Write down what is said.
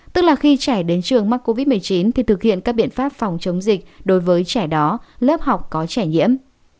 tức là khi trẻ đến trường mắc covid một mươi chín thì thực hiện các biện pháp phòng chống dịch đối với trẻ đó lớp học có trẻ nhiễm